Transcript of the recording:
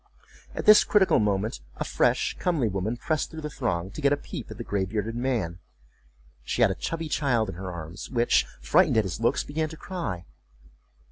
At this critical moment a fresh comely woman pressed through the throng to get a peep at the gray bearded man. She had a chubby child in her arms, which, frightened at his looks, began to cry.